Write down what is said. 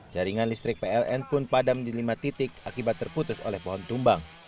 jaringan listrik pln pun padam di lima titik akibat terputus oleh pohon tumbang